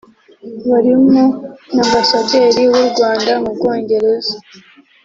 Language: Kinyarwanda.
barimo na Ambasaderi w’u Rwanda mu Bwongereza